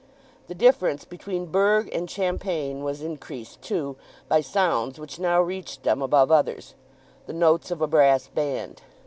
The difference between burgh and champaign was increased, too, by sounds which now reached them above others—the notes of a brass band.